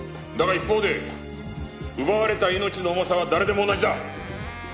だが一方で奪われた命の重さは誰でも同じだ。